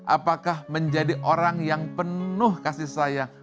apakah menjadi orang yang penuh kasih sayang